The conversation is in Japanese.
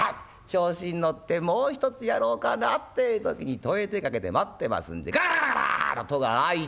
調子に乗ってもう一つやろうかなってえ時に戸へ手ぇかけて待ってますんでガラガラガラッと戸が開いた。